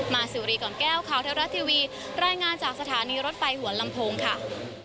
สิวรีก่อนแก้วข่าวเทวรัฐทีวีรายงานจากสถานีรถไฟหัวลำโพงค่ะ